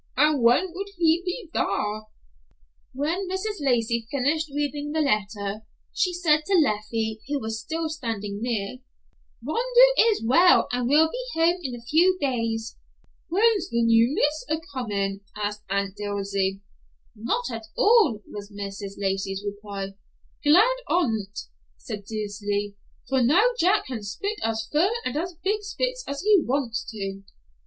And when would he be thar?" When Mrs. Lacey finished reading the letter she said to Leffie, who was still standing near, "Rondeau is well, and will be home in a few days." "When's the new miss a comin'?" asked Aunt Dilsey. "Not at all," was Mrs. Lacey's reply. "Glad on't," said Dilsey, "for now Jack can spit as fur and as big spits as he wants to."